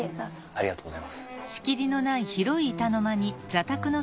ありがとうございます。